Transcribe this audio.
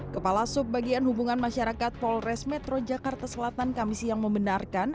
kepala subbagian hubungan masyarakat polres metro jakarta selatan kami siang membenarkan